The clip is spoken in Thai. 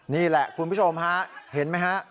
นี่แหละคุณผู้ชมฮะเห็นไหมฮะ